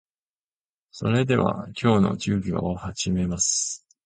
それでは、今日の授業を始めます。